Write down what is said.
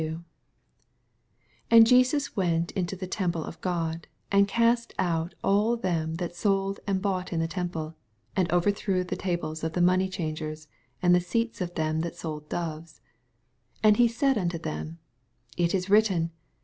12 And Jesos went into the temple of God, and oast ont all them that Bold and bought in the temple, and overthrew the tables of the money changers, and the seats of them that sold doves. 13 And said nnto them, It is writ ten.